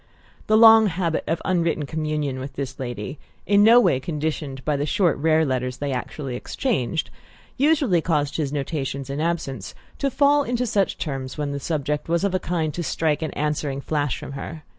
The long habit of unwritten communion with this lady in no way conditioned by the short rare letters they actually exchanged usually caused his notations, in absence, to fall into such terms when the subject was of a kind to strike an answering flash from her.